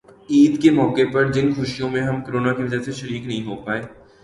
ید کے موقع پر جن خوشیوں میں ہم کرونا کی وجہ سے شریک نہیں ہو پائے